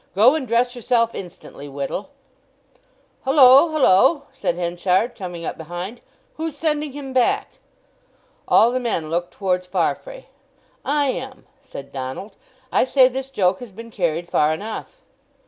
Go and dress yourself instantly Whittle." "Hullo, hullo!" said Henchard, coming up behind. "Who's sending him back?" All the men looked towards Farfrae. "I am," said Donald. "I say this joke has been carried far enough."